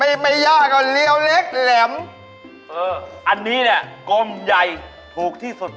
อันนี้เนี่ยกรมใหญ่ถูกที่สุด